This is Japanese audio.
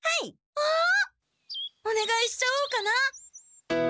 わあおねがいしちゃおうかな？